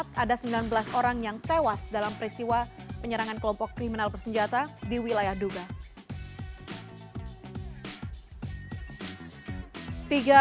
menurut kkb salah satu korban selamat ada sembilan belas orang yang tewas dalam peristiwa penyerangan kelompok kriminal bersenjata di wilayah duga